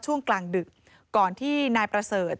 ช่วงกลางดึกก่อนที่นายประเสริฐ